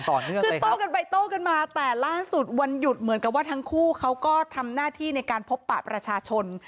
ต่อเนื่องคือโต้กันไปโต้กันมาแต่ล่าสุดวันหยุดเหมือนกับว่าทั้งคู่เขาก็ทำหน้าที่ในการพบปะประชาชน